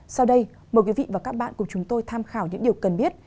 sau đây mời quý vị và các bạn cùng chúng tôi tham khảo những điều cần biết